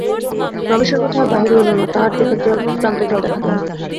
রমেশের আর কথা বাহির হইল না, তাহার চোখের প্রান্তে জল দেখা দিল।